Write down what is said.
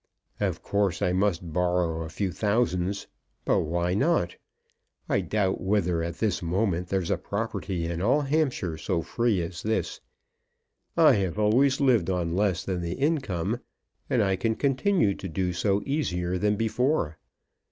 "Of course I must borrow a few thousands; but why not? I doubt whether at this moment there's a property in all Hampshire so free as this. I have always lived on less than the income, and I can continue to do so easier than before.